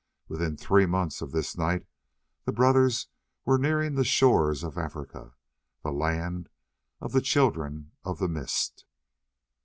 Within three months of this night the brothers were nearing the shores of Africa, the land of the Children of the Mist.